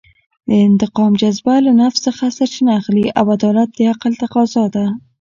د انتقام جذبه له نفس څخه سرچینه اخلي او عدالت د عقل تفاضا ده.